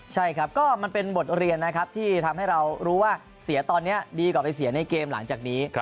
ใช่ครับก็มันเป็นบทเรียนนะครับที่ทำให้เรารู้ว่าเสียตอนนี้ดีกว่าไปเสียในเกมหลังจากนี้